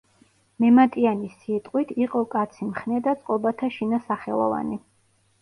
მემატიანის სიტყვით, „იყო კაცი მხნე და წყობათა შინა სახელოვანი“.